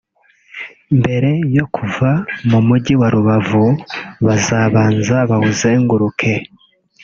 Mbere yo kuva mu mujyi wa Rubavu bazabanza bawuzenguruke